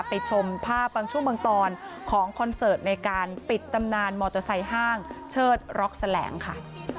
ชมภาพบางช่วงบางตอนของคอนเสิร์ตในการปิดตำนานมอเตอร์ไซค์ห้างเชิดร็อกแสลงค่ะ